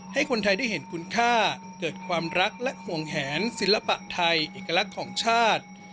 ให้คนไทยได้เห็นคุณค่าเกิดความรักและห่วงแหนศิลปะไทยเอกลักษณ์ของชาติ